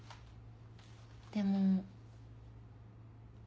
でも。